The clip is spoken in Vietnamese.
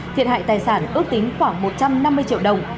thiệt hại tài sản ước tính khoảng một trăm năm mươi triệu đồng